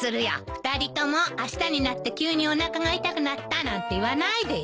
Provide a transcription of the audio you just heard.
２人ともあしたになって急におなかが痛くなったなんて言わないでよ。